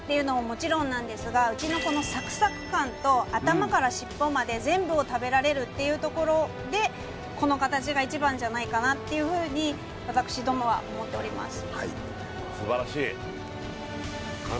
うちのこのサクサク感と頭から尻尾まで全部を食べられるっていうところでこの形が一番じゃないかなっていうふうに私どもは思っております